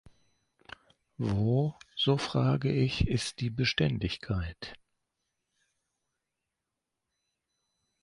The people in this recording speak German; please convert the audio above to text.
Wo, so frage ich, ist die Beständigkeit?